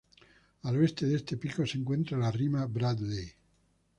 Al oeste de este pico se encuentra la rima Bradley.